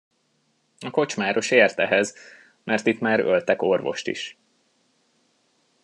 A kocsmáros ért ehhez, mert itt már öltek orvost is.